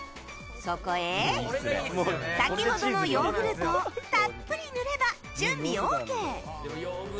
そこへ先ほどのヨーグルトをたっぷり塗れば準備ＯＫ。